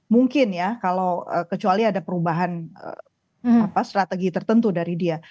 mungkin ya kalau kecuali ada perubahan strategi tertentu dari dia